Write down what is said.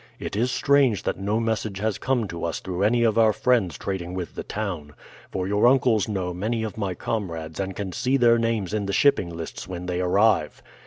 It is strange that no message has come to us through any of our friends trading with the town, for your uncles know many of my comrades and can see their names in the shipping lists when they arrive.